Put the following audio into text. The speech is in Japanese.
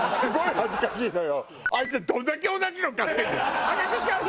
恥ずかしいのよ！